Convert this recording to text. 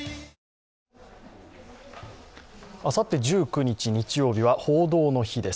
あさって１９日、日曜日は「報道の日」です。